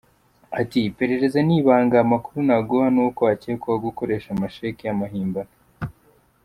Ati :« Iperereza ni ibanga amakuru naguha ni uko akekwaho gukoresha amasheki y’amahimbano.